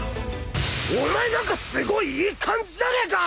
お前何かすごいいい感じじゃねえか！